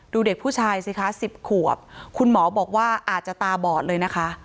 เด็กผู้ชายสิคะ๑๐ขวบคุณหมอบอกว่าอาจจะตาบอดเลยนะคะ